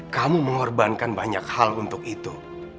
kamu mengorbankan banyak hal untuk itu